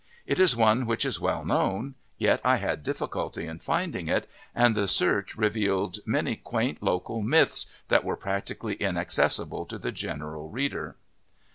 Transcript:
It is one which is well known, yet I had difficulty in finding it, and the search re vealed many quaint local myths that were practically inaccessible to the general reader.